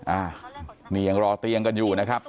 อ่านี่ยังรอเตียงกันอยู่นะครับ